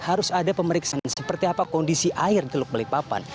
harus ada pemeriksaan seperti apa kondisi air di teluk balikpapan